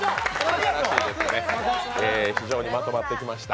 非常にまとまってきました